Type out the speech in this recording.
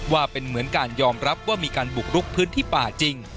ว่าเป็นเหมือนการยอมรับว่ามีการบุกลุกพื้นที่ป่าจริง